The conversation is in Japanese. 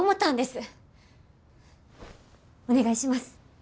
お願いします。